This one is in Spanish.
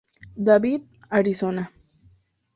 David, Arizona.